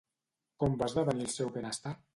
Com va esdevenir el seu benestar?